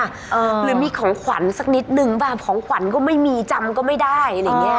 หรือมีของขวัญสักนิดนึงป่ะของขวัญก็ไม่มีจำก็ไม่ได้